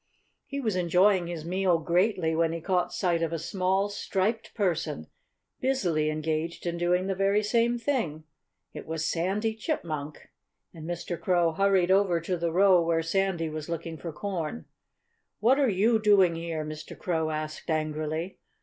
He was enjoying his meal greatly when he caught sight of a small, striped person busily engaged in doing the very same thing. It was Sandy Chipmunk! And Mr. Crow hurried over to the row where Sandy was looking for corn. "What are you doing here?" Mr. Crow asked angrily.